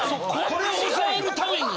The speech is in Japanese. これをおさえるために。